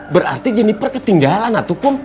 berarti jeniper ketinggalan atuh kum